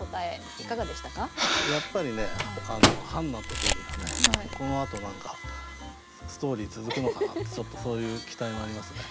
やっぱりね「ハンナとベリ」はねこのあと何かストーリー続くのかなってちょっとそういう期待もありますね。